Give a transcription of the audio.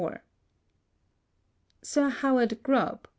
Sir Howard Grubb (b.